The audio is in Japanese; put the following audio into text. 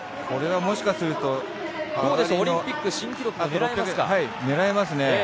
これはもしかするとオリンピック新記録狙えますか？